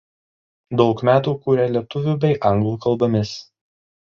Daug metų kuria lietuvių bei anglų kalbomis.